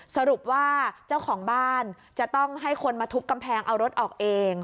สรุปว่าเจ้าของบ้านจะต้องให้คนมาทุบกำแพงเอารถออกเอง